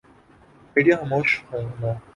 media خاموش ہونا